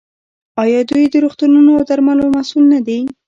آیا دوی د روغتونونو او درملو مسوول نه دي؟